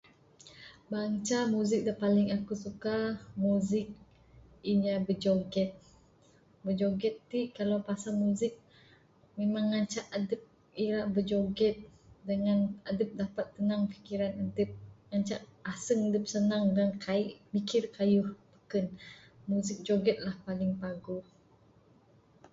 Banca muzik dak paling aku suka muzik inya bijoget. Bijoget t kalau pasang muzik memang ngancak adep ira bijoget dengan adep dapat tenang fikiran dep ngancak aseng senang dengan kai mikir keyuh da beken. Muzik joget la paling paguh.